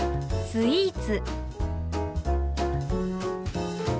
「スイーツ」。